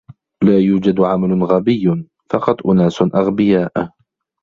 لا يوجد عمل غبي، فقط أناس أغبياء.